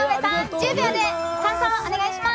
１０秒で感想をお願いします。